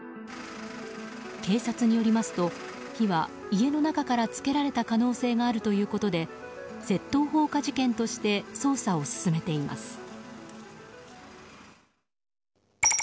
警察によりますと火は家の中から付けられた可能性があるということで窃盗放火事件として捜査を進めています。